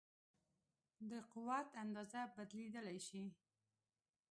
د قوت اندازه بدلېدای شي.